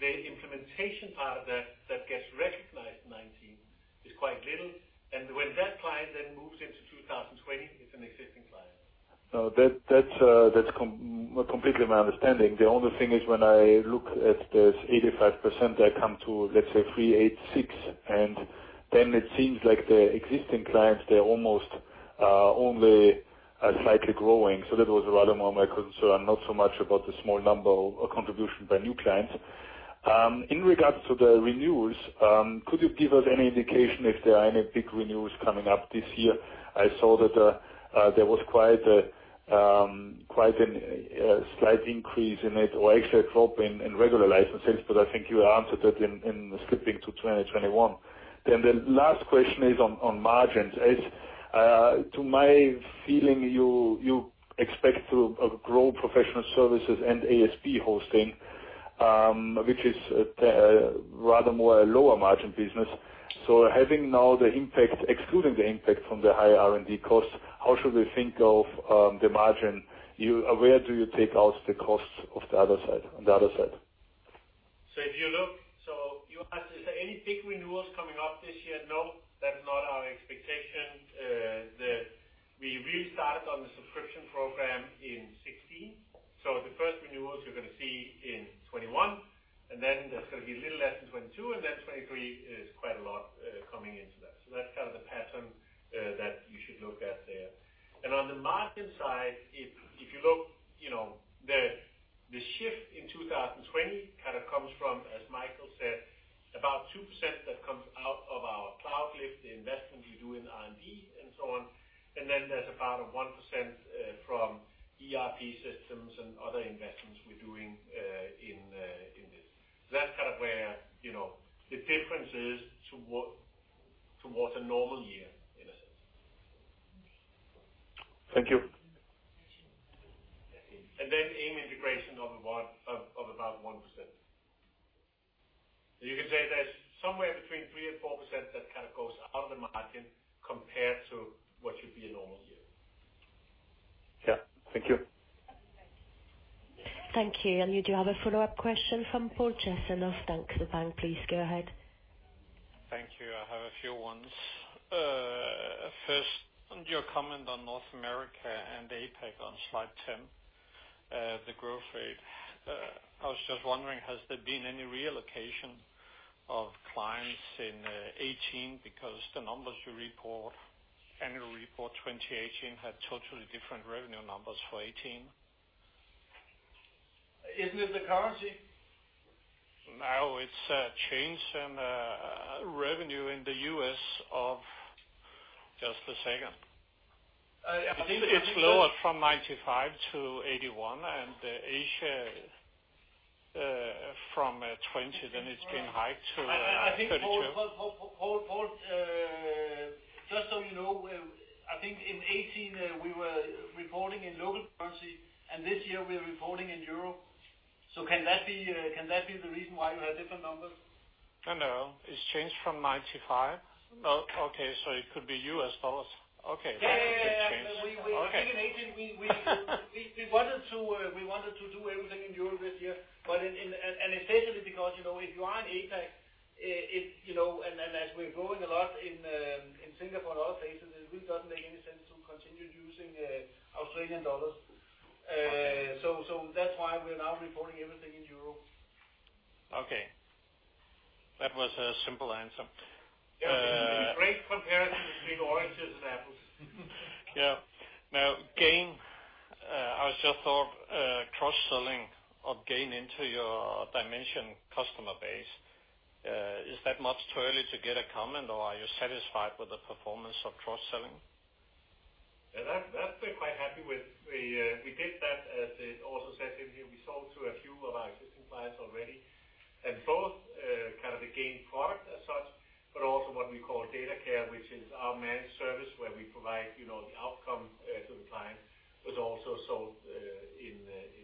The implementation part of that gets recognized in 2019, is quite little. When that client then moves into 2020, it's an existing client. No, that's completely my understanding. The only thing is when I look at this 85%, I come to, let's say, 386, then it seems like the existing clients, they almost are only slightly growing. That was rather more my concern, not so much about the small number of contribution by new clients. In regards to the renewals, could you give us any indication if there are any big renewals coming up this year? I saw that there was quite a slight increase in it, or actual drop in regular licenses, I think you answered that in the slipping to 2021. The last question is on margins. To my feeling, you expect to grow professional services and ASP hosting, which is rather more a lower margin business. Excluding the impact from the higher R&D costs, how should we think of the margin? Where do you take out the costs on the other side? You asked, is there any big renewals coming up this year? No, that's not our expectation. We really started on the subscription program in 2016. The first renewals you're going to see in 2021, and then there's going to be a little less in 2022, and then 2023 is quite a lot coming into that. That's kind of the pattern that you should look at there. On the margin side, if you look, the shift in 2020 kind of comes from, as Michael said, about 2% that comes out of our cloud lift, the investment we do in R&D and so on. Then there's about a 1% from ERP systems and other investments we're doing in this. That's kind of where the difference is towards a normal year, in a sense. Thank you. AIM integration of about 1%. You can say there's somewhere between 3%-4% that kind of goes out of the margin compared to what should be a normal year. Yeah. Thank you. Thank you. You do have a follow-up question from Poul Jessen of Danske Bank. Please go ahead. Thank you. I have a few ones. First, on your comment on North America and APAC on slide 10, the growth rate. I was just wondering, has there been any reallocation of clients in 2018? Because the annual report 2018 had totally different revenue numbers for 2018. Isn't it the currency? No, it's a change in revenue in the U.S. of Just a second. It's lower from DKK-DKK 81 and Asia from 20, it's been hiked to DKK 32. Poul, just so you know, I think in 2018, we were reporting in local currency, and this year we're reporting in euro. Can that be the reason why you have different numbers? No. It's changed from 95. Oh, okay. It could be U.S. dollars. Okay. Yeah. In 2018, we wanted to do everything in euro this year. Essentially because, if you are in APAC, as we're growing a lot in Singapore and other places, it really doesn't make any sense to continue using Australian dollars. That's why we're now reporting everything in euro. Okay. That was a simple answer. Yeah. Great comparison between oranges and apples. Yeah. Now, Gain. I just thought cross-selling of Gain into your Dimension customer base. Is that much too early to get a comment, or are you satisfied with the performance of cross-selling? Yeah, that we're quite happy with. We did that, as it also says in here, we sold to a few of our existing clients already. Both kind of the Gain product as such, but also what we call DataCare, which is our managed service where we provide the outcome to the client, was also sold in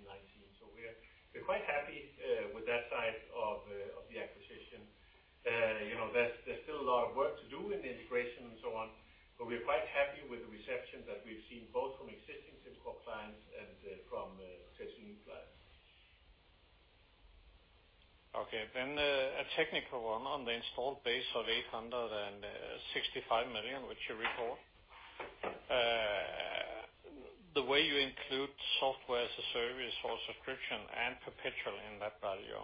2019. We're quite happy with that side of the acquisition. There's still a lot of work to do in the integration and so on, but we're quite happy with the reception that we've seen both from existing SimCorp clients and from potentially new clients. Okay. A technical one on the installed base of 865 million, which you report. The way you include Software as a Service or subscription and perpetual in that value.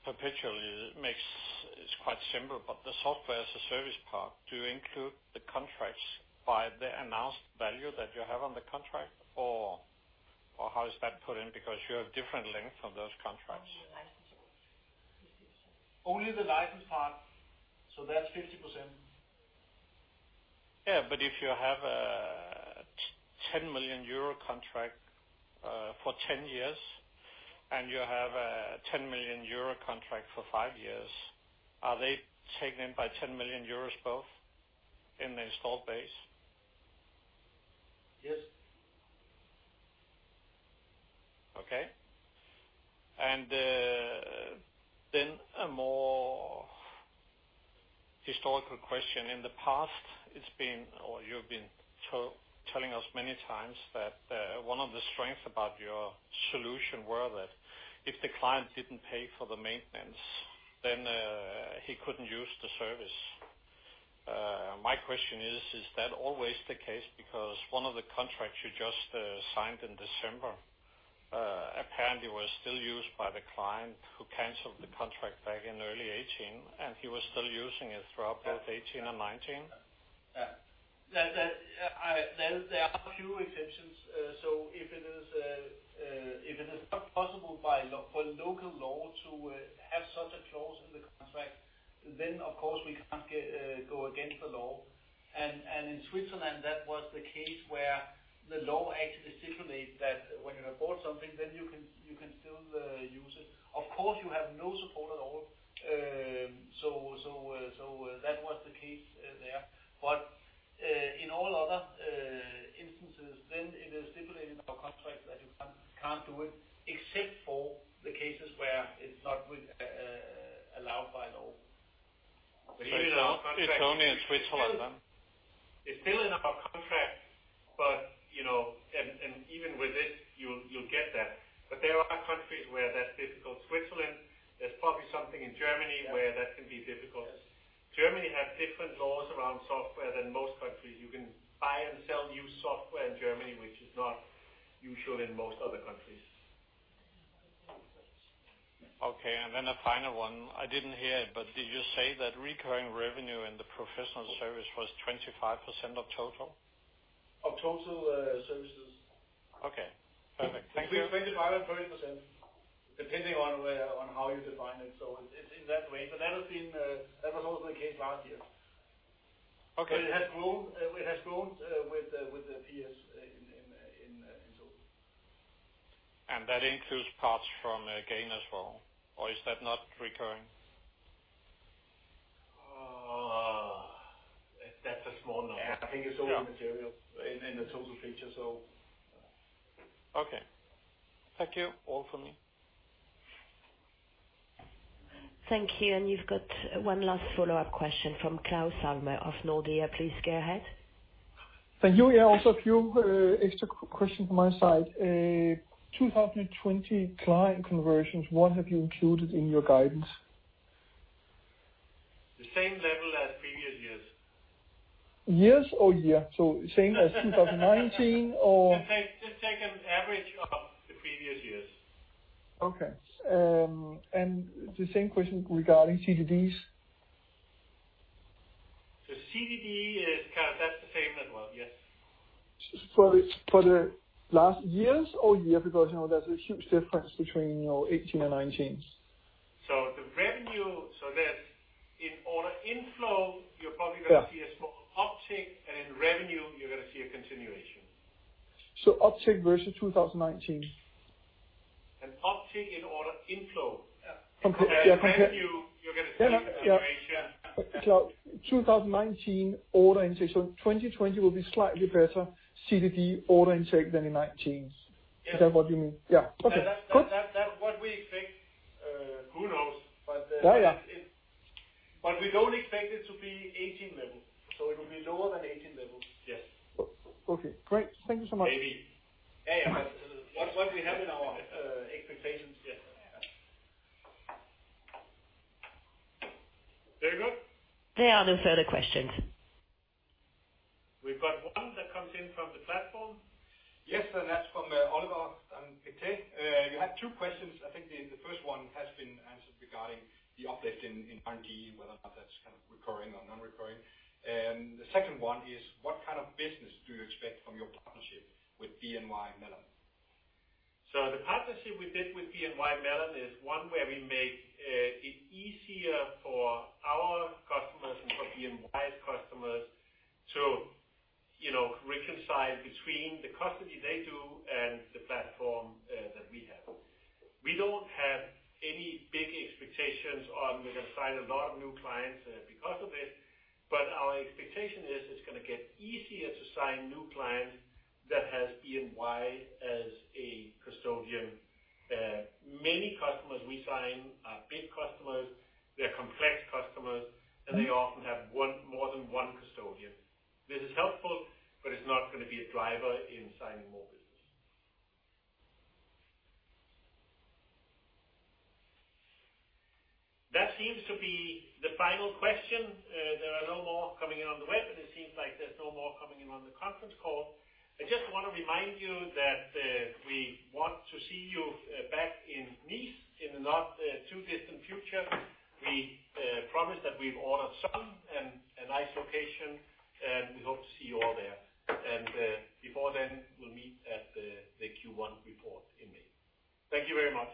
Perpetual is quite simple, but the Software as a Service part, do you include the contracts by the announced value that you have on the contract, or how is that put in? Because you have different length of those contracts. Only the license part. Only the license part. That's 50%. Yeah, if you have a 10 million euro contract for 10 years, and you have a 10 million euro contract for five years, are they taken in by 10 million euros both in the installed base? Yes. Okay. A more historical question. In the past, you've been telling us many times that one of the strengths about your solution were that if the client didn't pay for the maintenance, then he couldn't use the service. My question is that always the case? One of the contracts you just signed in December apparently was still used by the client who canceled the contract back in early 2018, and he was still using it throughout both 2018 and 2019. Yeah. There are a few exceptions. If it is not possible for local law to have such a clause in the contract, of course, we can't go against the law. In Switzerland, that was the case where the law actually stipulates that when you have bought something, then you can still use it. Of course, you have no support at all. That was the case there. In all other instances, then it is stipulated in our contract that you can't do it, except for the cases where it's not allowed by law. It's only in Switzerland then? It's still in our contract, and even with it, you'll get that. There are countries where that's difficult. Switzerland, there's probably something in Germany where that can be difficult. Yes. Germany have different laws around software than most countries. You can buy and sell new software in Germany, which is not usual in most other countries. Okay, a final one. I didn't hear it, did you say that recurring revenue in the professional service was 25% of total? Of total services. Okay. Perfect. Thank you. Between 25% and 30%, depending on how you define it. It's in that range. That was also the case last year. Okay. It has grown with the PS in total. That includes parts from Gain as well, or is that not recurring? That's a small number. Yeah. I think it's only material in the total picture. Okay. Thank you. All from me. Thank you. You've got one last follow-up question from Claus Almer of Nordea. Please go ahead. Thank you. Yeah, also a few extra questions from my side. 2020 client conversions, what have you included in your guidance? The same level as previous years. Years or year? Same as 2019 or? Just take an average of the previous years. Okay. The same question regarding CDDs. The CDD, that's the same as well, yes. For the last years or year? There's a huge difference between 2018 and 2019. The revenue, so in order inflow, you're probably going to see a small uptick, and in revenue, you're going to see a continuation. Uptick versus 2019? An uptick in order inflow. Yeah. Revenue, you're going to see a continuation. 2019 order intake. 2020 will be slightly better CDD order intake than in 2019. Yes. Is that what you mean? Yeah. Okay, good. That's what we expect. Who knows? Yeah. We don't expect it to be 2018 level. It will be lower than 2018 level, yes. Okay, great. Thank you so much. Maybe. That's what we have in our expectations, yes. Very good. There are no further questions. We've got one that comes in from the platform. That's from Oliver and Pete. You had two questions. I think the first one has been answered regarding the uplift in R&D, whether or not that's kind of recurring or non-recurring. The second one is, what kind of business do you expect from your partnership with BNY Mellon? The partnership we did with BNY Mellon is one where we make it easier for our customers and for BNY's customers to reconcile between the custody they do and the platform that we have. We don't have any big expectations on we're going to sign a lot of new clients because of it. Our expectation is it's going to get easier to sign new clients that has BNY as a custodian. Many customers we sign are big customers. They're complex customers, and they often have more than one custodian. This is helpful, but it's not going to be a driver in signing more business. That seems to be the final question. There are no more coming in on the web, and it seems like there's no more coming in on the conference call. I just want to remind you that we want to see you back in Nice in the not-too-distant future. We promise that we've ordered sun and a nice location, and we hope to see you all there. Before then, we'll meet at the Q1 report in May. Thank you very much.